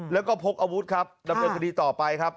แล้วก็พกอาวุธครับดำเนินคดีต่อไปครับ